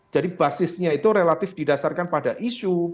jadi basisnya itu relatif didasarkan pada isu